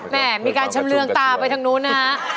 แม่มีการชำเรืองตาไปทางนู้นนะฮะ